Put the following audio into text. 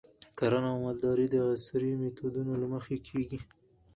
کرنه او مالداري د عصري میتودونو له مخې کیږي.